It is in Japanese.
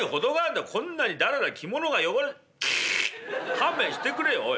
勘弁してくれよおい。